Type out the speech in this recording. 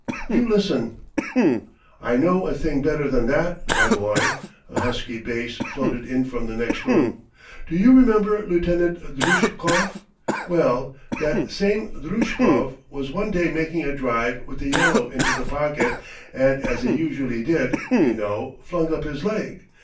You listen!" "I know a thing better than that, my boy," a husky bass floated in from the next room. "Do you remember Lieutenant Druzhkov? Well, that same Druzhkov was one day making a drive with the yellow into the pocket and as he usually did, you know, flung up his leg.